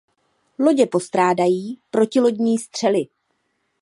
Lodě postrádají protilodní střely.